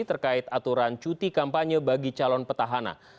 terkait aturan cuti kampanye bagi calon petahana